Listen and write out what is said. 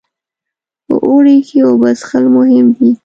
په اوړي کې اوبه څښل مهم دي.